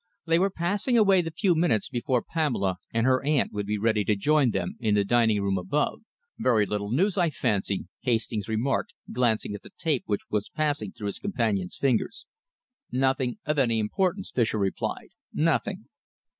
They were passing away the few minutes before Pamela and her aunt would be ready to join them in the dining room above. "Very little news, I fancy," Hastings remarked, glancing at the tape which was passing through his companion's fingers. "Nothing of any importance," Fischer replied. "Nothing."